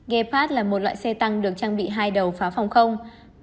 gepard là một loại xe tăng được trang bị hai đầu pháo phòng không